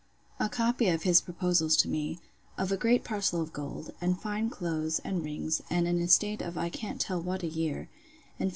'A copy of his proposals to me, of a great parcel of gold, and fine clothes and rings, and an estate of I can't tell what a year; and 50l.